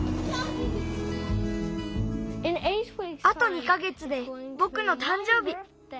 あと２か月でぼくのたん生日。